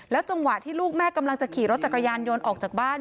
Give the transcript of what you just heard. จังหวะที่ลูกแม่กำลังจะขี่รถจักรยานยนต์ออกจากบ้าน